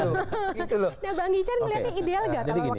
nah bang ican melihatnya ideal gak kalau waktunya seperti ini